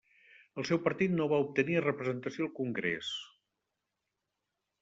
El seu partit no va obtenir representació al Congrés.